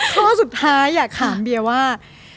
ข้อสุดท้ายอยากถามเบียร์ว่า